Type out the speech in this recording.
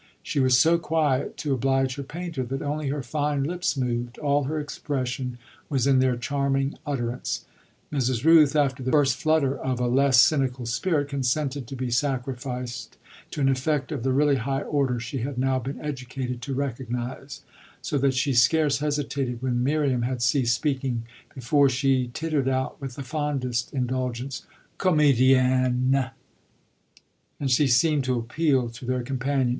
She was so quiet, to oblige her painter, that only her fine lips moved all her expression was in their charming utterance. Mrs. Rooth, after the first flutter of a less cynical spirit, consented to be sacrificed to an effect of the really high order she had now been educated to recognise; so that she scarce hesitated, when Miriam had ceased speaking, before she tittered out with the fondest indulgence: 'Comédienne!' And she seemed to appeal to their companion.